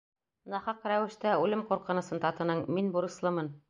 Нахаҡ рәүештә үлем ҡурҡынысын татының, мин бурыслымын.